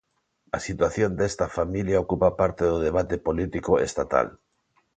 A situación desta familia ocupa parte do debate político estatal.